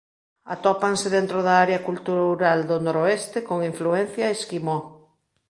Atópanse dentro da área cultural do Noroeste con influencia esquimó.